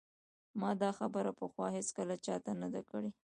ما دا خبره پخوا هیڅکله چا ته نه ده کړې